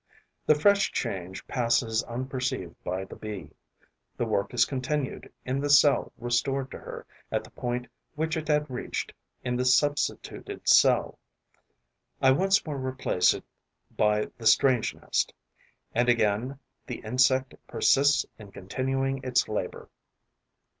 This fresh change passes unperceived by the Bee: the work is continued in the cell restored to her at the point which it had reached in the substituted cell. I once more replace it by the strange nest; and again the insect persists in continuing its labour.